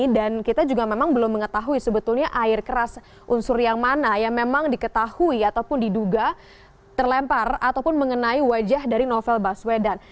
dan kita juga memang belum mengetahui sebetulnya air keras unsur yang mana yang memang diketahui ataupun diduga terlempar ataupun mengenai wajah dari novel baswedan